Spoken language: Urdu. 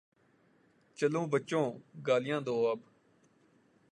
چلو بچو، گالیاں دو اب۔